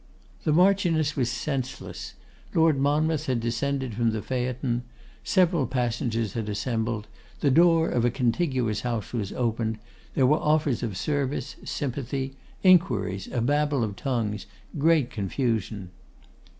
The Marchioness was senseless. Lord Monmouth had descended from the phaeton; several passengers had assembled; the door of a contiguous house was opened; there were offers of service, sympathy, inquiries, a babble of tongues, great confusion.